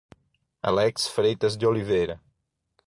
Alex Freitas de Oliveira